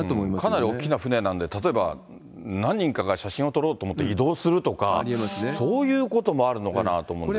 かなり大きな船なんで、例えば何人かが写真を撮ろうと思って移動するとか、そういうこともあるのかなと思うんですが。